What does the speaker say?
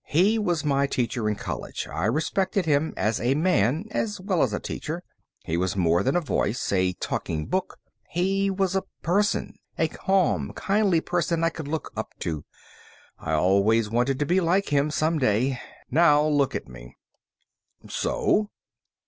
"He was my teacher in college. I respected him as a man, as well as a teacher. He was more than a voice, a talking book. He was a person, a calm, kindly person I could look up to. I always wanted to be like him, someday. Now look at me." "So?"